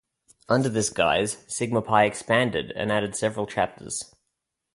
Under this guise Sigma Pi expanded and added several chapters.